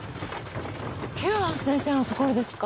久庵先生のところですか？